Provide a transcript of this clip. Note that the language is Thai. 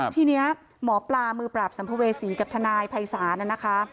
ทีนี้หมอปลามือปราบสัมภเวษีกับทนายภัยศาลน่ะนะคะ